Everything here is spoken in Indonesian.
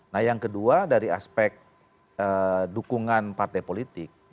nah yang kedua dari aspek dukungan partai politik